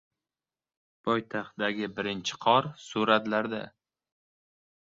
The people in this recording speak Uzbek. Poytaxtdagi birinchi qor — suratlarda